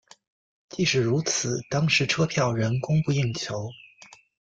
即使如此当时车票仍供不应求。